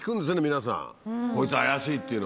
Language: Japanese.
皆さん「こいつ怪しい」っていうの。